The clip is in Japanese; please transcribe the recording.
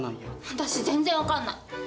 私全然分かんない。